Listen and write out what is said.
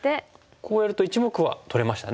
こうやると１目は取れましたね。